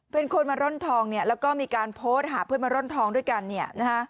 เป็นคนมาร่อนทองเนี่ยแล้วก็มีการโพสต์หาเพื่อนมาร่อนทองด้วยกันเนี่ยนะฮะ